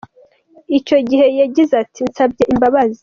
Icyo gihe yagize ati: “Nsabye imbabazi.